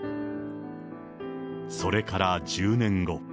それから１０年後。